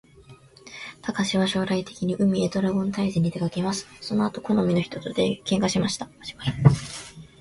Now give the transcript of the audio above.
たかしは将来的に、海へドラゴン退治にでかけます。その後好みの人と喧嘩しました。おしまい